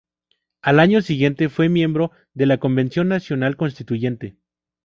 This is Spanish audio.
Al año siguiente fue miembro de la Convención Nacional Constituyente.